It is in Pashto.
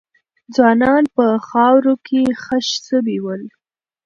ځوانان په خاورو کې خښ سوي ول.